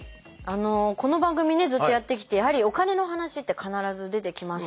この番組ねずっとやってきてやはりお金の話って必ず出てきますし。